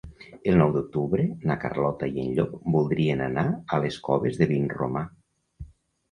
El nou d'octubre na Carlota i en Llop voldrien anar a les Coves de Vinromà.